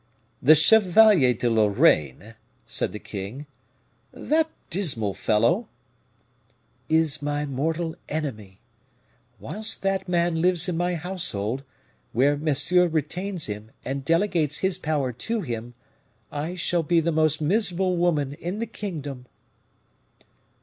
"The Chevalier de Lorraine," said the king; "that dismal fellow?" "Is my mortal enemy. Whilst that man lives in my household, where Monsieur retains him and delegates his power to him, I shall be the most miserable woman in the kingdom."